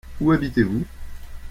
Où habitez-vous ?